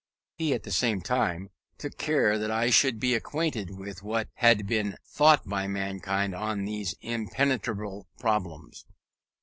He, at the same time, took care that I should be acquainted with what had been thought by mankind on these impenetrable problems.